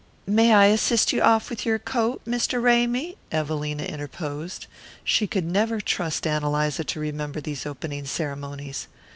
"May I assist you off with your coat, Mr. Ramy?" Evelina interposed. She could never trust Ann Eliza to remember these opening ceremonies.